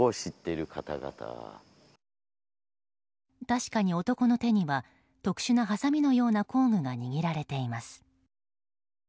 確かに男の手には特殊なはさみのような工具が握られています。